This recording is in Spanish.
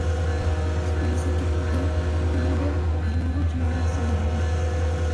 Los equipos de Tungurahua, El Oro, Chimborazo y Manabí.